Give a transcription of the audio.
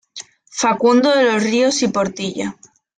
Facundo de los Ríos y Portilla.